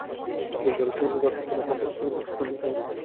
গুলজারের সঙ্গে গাঁটছড়া বাঁধার আগে সবাই তাঁকে চিনত রাখী মজুমদার নামে।